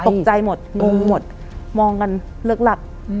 ตกใจหมดงงหมดมองกันเลิกหลัก